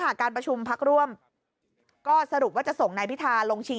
การประชุมพักร่วมก็สรุปว่าจะส่งนายพิธาลงชิง